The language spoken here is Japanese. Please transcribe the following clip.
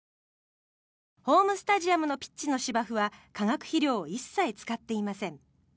ホームスタジアムのピッチの芝生は化学肥料を一切使っていません。